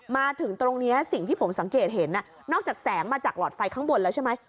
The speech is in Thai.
มาถึงตรงนี้สิ่งที่ผมสังเกตเห็นนอกจากแสงมาจากหลอดไฟข้างบนแล้วใช่ไหม